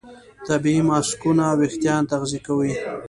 طبیعي ماسکونه وېښتيان تغذیه کوي.